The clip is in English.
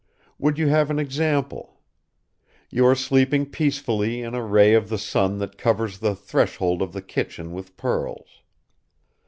Would you have an example? You are sleeping peacefully in a ray of the sun that covers the threshold of the kitchen with pearls.